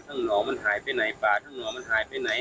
หนอมันหายไปไหนป่าทั้งหน่อมันหายไปไหน